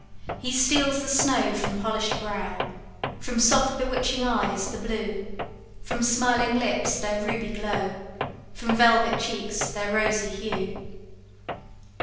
He steals the snow from polish'd brow, From soft bewitching eyes the blue, From smiling lips their ruby glow, From velvet cheeks their rosy hue.